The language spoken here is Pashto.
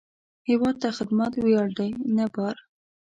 هیواد ته خدمت ویاړ دی، نه بار